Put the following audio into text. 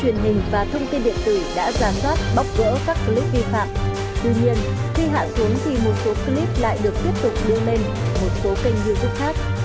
viện cũng đang tiếp tục giả sát nhằm cứu trận đẩy tận gốc